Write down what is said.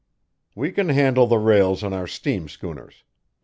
"We can handle the rails on our steam schooners.